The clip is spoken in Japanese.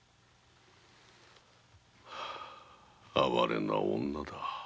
哀れな女だ。